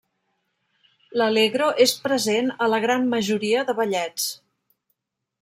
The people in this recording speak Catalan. L'allegro és present a la gran majoria de ballets.